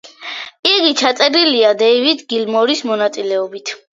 იგი ჩაწერილია დეივიდ გილმორის მონაწილეობით.